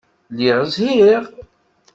Lliɣ zhiɣ.